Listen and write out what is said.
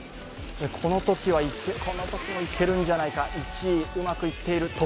このときもいけるんじゃないか、１位、うまくいっている。